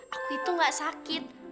aku itu gak sakit